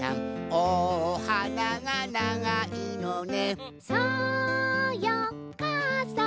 おはながながいのね」